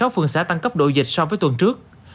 hai mươi phường xã tăng cấp độ dịch so với tuần trước